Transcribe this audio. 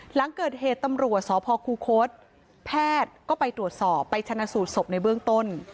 หลังเกิดเหตุตำรวจสพคูคศแพทย์ก็ไปตรวจสอบไปชนะสูตรศพในเบื้องต้น